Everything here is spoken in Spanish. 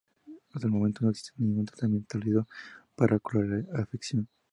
Hasta el momento no existe ningún tratamiento establecido para curar la afección.